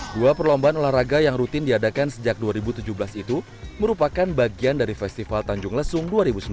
dua perlombaan olahraga yang rutin diadakan sejak dua ribu tujuh belas itu merupakan bagian dari festival tanjung lesung dua ribu sembilan belas